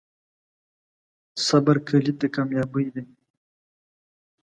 صبر کلید د کامیابۍ دی.